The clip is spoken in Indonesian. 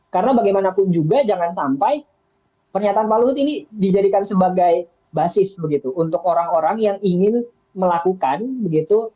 karena bagaimanapun juga jangan sampai pernyataan pak luhut ini dijadikan sebagai basis untuk orang orang yang ingin melakukan begitu